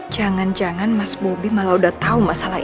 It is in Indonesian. jangan jangan mas bobi malah udah tahu masalah ini